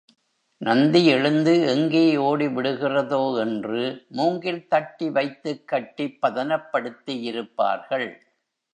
நந்தி எழுந்து எங்கே ஓடி விடுகிறதோ என்று மூங்கில் தட்டி வைத்துக் கட்டிப் பதனப்படுத்தியிருப்பார்கள்.